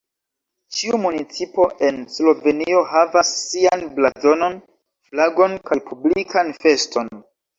Ĉiu municipo en Slovenio havas sian blazonon, flagon kaj publikan feston.